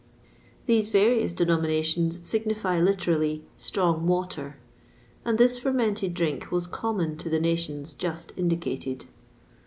These various denominations signify literally, strong water,[XXVI 14] and this fermented drink was common to the nations just indicated.